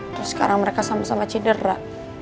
terus sekarang mereka sama sama cedera